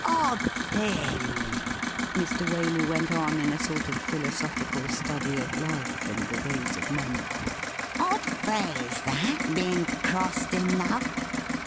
' Odd thing !' Mr. Waley went on in a sort of philosophical study of life and the ways of men. ' Odd phrase that, being crossed in love